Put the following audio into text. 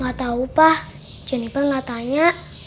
gak tau pah jennifer gak tanya